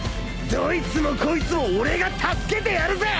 どいつもこいつも俺が助けてやるぜ！